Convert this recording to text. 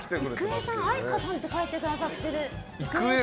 郁恵さん、愛花さんって書いてくださってる。